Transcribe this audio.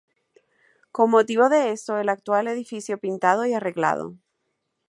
Con motivo de esto, el actual edificio pintado y arreglado.